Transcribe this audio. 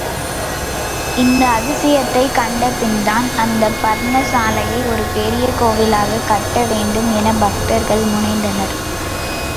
இந்த அதிசயத்தைக் கண்ட பின்தான், அந்த பர்ணசாலையை ஒரு பெரிய கோயிலாகவே கட்ட வேண்டும், என பக்தர்கள் முனைந்தனர்.